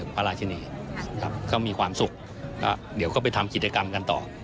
พระราชินีครับก็มีความสุขก็เดี๋ยวก็ไปทำกิจกรรมกันต่อ